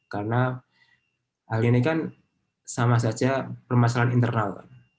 karena hal ini kan sama saja permasalahan internal